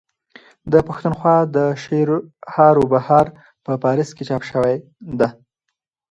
د پښتونخوا دشعرهاروبهار په پاريس کي چاپ سوې ده.